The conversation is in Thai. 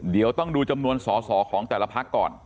เดี๋ยวต้องดูจำนวนสอสอของแต่ละพักก่อน